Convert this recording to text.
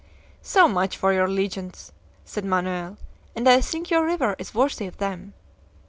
"So much for your legends," said Manoel; "and I think your river is worthy of them.